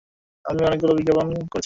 আমি অনেকগুলো বিজ্ঞাপন করেছি।